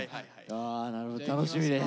あなるほど楽しみです。